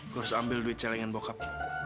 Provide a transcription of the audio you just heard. gue harus ambil duit celengin bokap